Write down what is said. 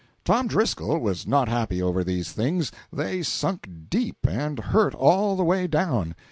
Tom Driscoll was not happy over these things; they sunk deep, and hurt all the way down.